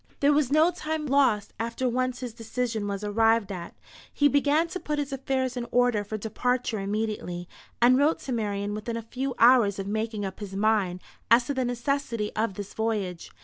There was no time lost after once his decision was arrived at. He began to put his affairs in order for departure immediately, and wrote to Marian within a few hours of making up his mind as to the necessity of this voyage.